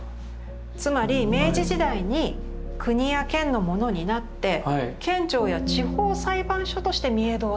つまり明治時代に国や県のものになって県庁や地方裁判所として御影堂は使われていたんです。